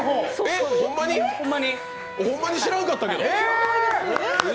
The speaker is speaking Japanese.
ホンマに知らんかったけど。